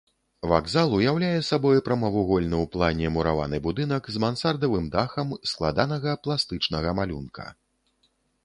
Вакзал уяўляе сабой прамавугольны ў плане мураваны будынак з мансардавым дахам складанага пластычнага малюнка.